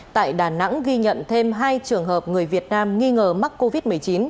tại đà nẵng ghi nhận thêm hai trường hợp người việt nam nghi ngờ mắc covid một mươi chín